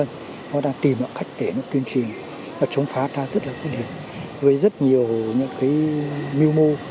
nó đang tìm một cách để nó tuyên truyền nó chống phá ta rất là khuyến hiểm với rất nhiều những cái mưu mô